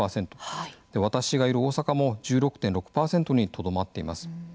私がいる大阪も１６．６％にとどまっています。